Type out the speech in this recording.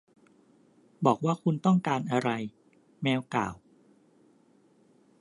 บอกว่าคุณต้องการอะไร แมวกล่าว